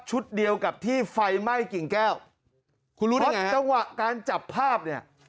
ชุดเดียวกับที่ไฟไหม้กิ่งแก้วคุณรู้ได้ไหมครับการจับภาพเนี่ย